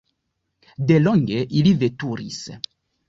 Delonge ili veturis.